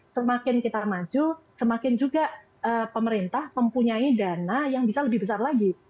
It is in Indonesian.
semakin kita maju semakin juga pemerintah mempunyai dana yang bisa lebih besar lagi